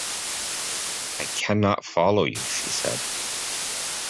I cannot follow you, she said.